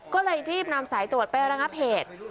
ก็เลยรีบนำสายตรวจไประงับเหตุ